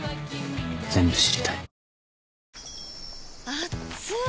あっつい！